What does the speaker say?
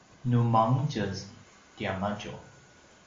nu mangetjez tiamadju